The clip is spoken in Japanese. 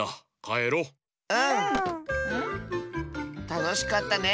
たのしかったね。